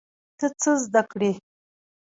ته څه زده کړې؟